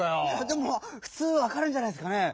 でもふつうわかるんじゃないですかね？